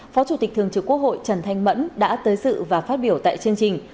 phó chủ tịch thường trực quốc hội trần thanh mẫn đã tới sự và phát biểu tại chương trình